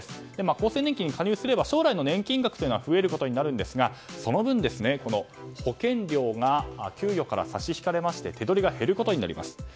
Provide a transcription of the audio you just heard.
厚生年金に加入すれば将来の年金額は増えることになるんですがその分、保険料が給与から差し引かれまして手取りが減ることになります。